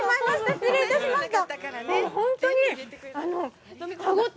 失礼いたしました。